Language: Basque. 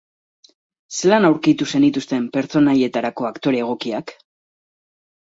Zelan aurkitu zenituzten pertsonaietarako aktore egokiak?